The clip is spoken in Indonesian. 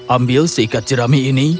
ambil seikat jerami ini